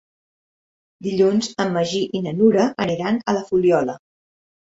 Dilluns en Magí i na Nura aniran a la Fuliola.